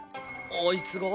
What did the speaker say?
あいつが？